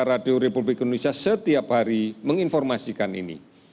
radio republik indonesia setiap hari menginformasikan ini